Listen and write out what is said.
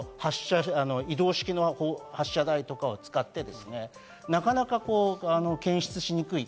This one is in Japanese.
あるいは移動式の発射台とかを使って、なかなか検出しにくい。